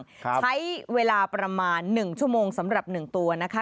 ใช้เวลาประมาณหนึ่งชั่วโมงสำหรับหนึ่งตัวนะคะ